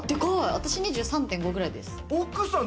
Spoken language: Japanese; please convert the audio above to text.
私、２３．５くらいです。